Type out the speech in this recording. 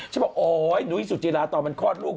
บอกโอ๊ยนุ้ยสุจิราตอนมันคลอดลูก